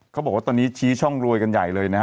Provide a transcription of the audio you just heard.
เขาบอกว่าตอนนี้ชี้ช่องรวยกันใหญ่เลยนะฮะ